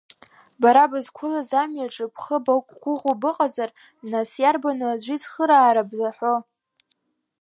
Бара бызқәылаз амҩаҿы бхы бақәгәыӷуа быҟазар, нас, иарбану аӡәы ицхыраара бзаҳәо?